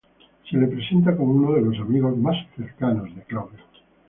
Se le representa como uno de los amigos más cercanos de Claudio.